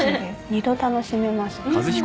２度楽しめます。